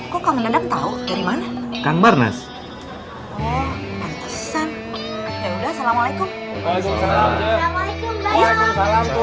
kok kamu dendam tau dari mana kang barnes oh kantesan ya udah assalamualaikum waalaikumsalam waalaikumsalam tut